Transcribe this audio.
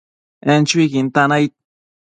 En chuiquin tan aid